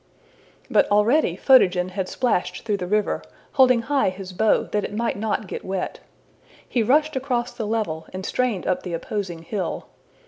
'' But already Photogen had splashed through the river, holding high his bow that it might not get wet. He rushed across the level and strained up the opposing hill.